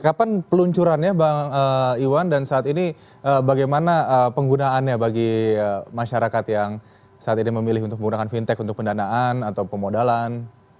kapan peluncurannya bang iwan dan saat ini bagaimana penggunaannya bagi masyarakat yang saat ini memilih untuk menggunakan fintech untuk pendanaan atau pemodalan